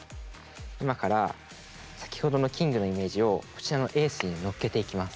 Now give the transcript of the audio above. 今から先ほどのキングのイメージをこちらのエースにのっけていきます。